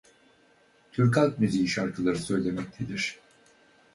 Türk halk müziği şarkıları söylemektedir.